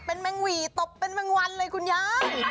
เป็นแมงหวี่ตบเป็นแมงวันเลยคุณยาย